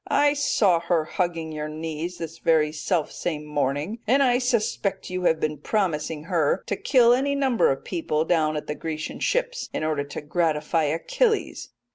I saw her hugging your knees this very self same morning, and I suspect you have been promising her to kill any number of people down at the Grecian ships, in order to gratify Achilles.'"